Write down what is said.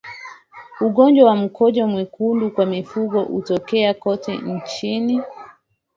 Ugonjwa wa mkojo mwekundu kwa mifugo hutokea kote nchini